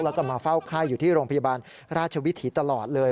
แล้วก็มาเฝ้าไข้อยู่ที่โรงพยาบาลราชวิถีตลอดเลย